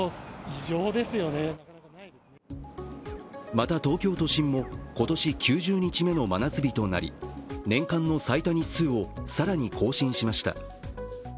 また東京都心も今年９０日目の真夏日となり年間の最多日数を更に更新しました。